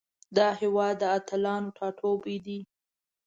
دا هیواد د اتلانو ټاټوبی ده.